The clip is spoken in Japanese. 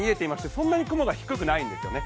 そんなに雲が低くないんですね。